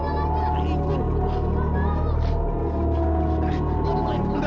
rumah ini tidak sikit